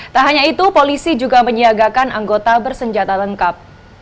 tak hanya itu polisi juga menyiagakan anggota bersenjata lengkap